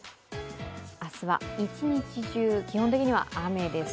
明日は一日中、基本的には雨です。